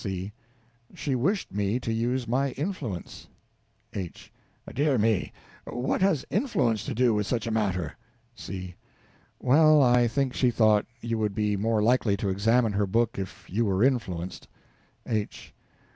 C. She wished me to use my influence. H. Dear me, what has _influence _to do with such a matter? C. Well, I think she thought you would be more likely to examine her book if you were influenced. H.